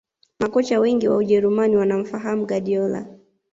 Makocha Wengi wa ujerumani wanamfahamu Guardiola